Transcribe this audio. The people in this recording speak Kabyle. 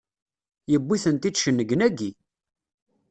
Yewwi-tent-id cennegnagi!